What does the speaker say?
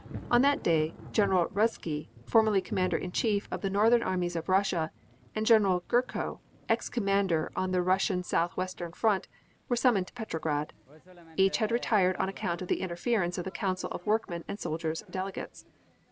On that day General Ruzsky, formerly commander in chief of the northern armies of Russia, and General Gurko, ex commander on the Russian southwestern front, were summoned to Petrograd. Each had retired on account of the interference of the Council of Workmen and Soldiers' delegates.